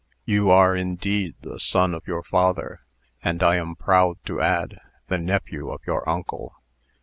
You are indeed the son of your father, and, I am proud to add, the nephew of your uncle.